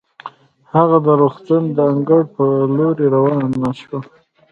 هغه د روغتون د انګړ په لورې روانه شوه.